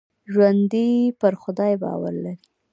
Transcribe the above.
ژوندي پر خدای باور لري